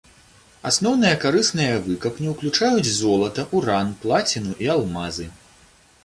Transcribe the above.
Асноўныя карысныя выкапні ўключаюць золата, уран, плаціну і алмазы.